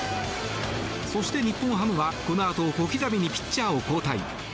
そして日本ハムはこのあと小刻みにピッチャーを交代。